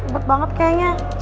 ubat banget kayaknya